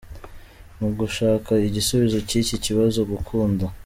Mu gushaka igisubizo cy’iki kibazo , gukunda.